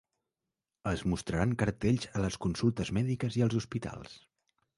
Es mostraran cartells a les consultes mèdiques i als hospitals.